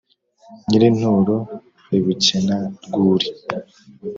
nyir-inturo i bukena-rwuri,